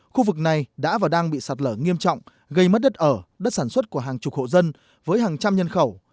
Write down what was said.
khu vực này đã và đang bị sạt lở nghiêm trọng gây mất đất ở đất sản xuất của hàng chục hộ dân với hàng trăm nhân khẩu